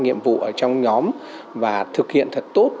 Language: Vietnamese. nhiệm vụ ở trong nhóm và thực hiện thật tốt